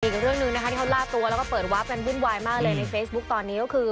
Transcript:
อีกเรื่องหนึ่งนะคะที่เขาล่าตัวแล้วก็เปิดวาร์ฟกันวุ่นวายมากเลยในเฟซบุ๊คตอนนี้ก็คือ